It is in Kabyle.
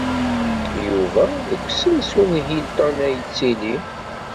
Yuba deg usensu n Hilton ay yettili?